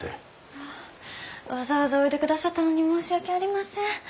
あわざわざおいでくださったのに申し訳ありません。